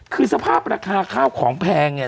คือสภาพราคาข้าวของแพงเนี่ย